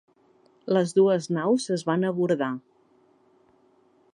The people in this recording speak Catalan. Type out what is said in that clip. Les dues naus es van abordar.